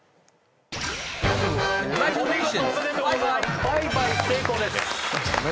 お見事おめでとうございます倍買成功です